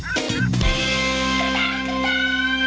โปรดติดตามตอนต่อไป